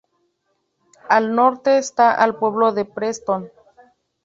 Al norte está el pueblo de Preston.